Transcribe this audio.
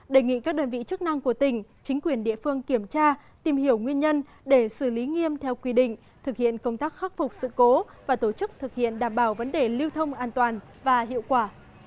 đề nghị các đơn vị chức năng của tỉnh chính quyền địa phương kiểm tra tìm hiểu nguyên nhân để xử lý nghiêm theo quy định thực hiện công tác khắc phục sự cố và tổ chức thực hiện đảm bảo vấn đề lưu thông an toàn và hiệu quả